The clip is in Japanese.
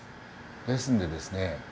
ですんでですね